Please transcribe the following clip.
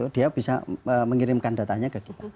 dia bisa mengirimkan datanya ke kita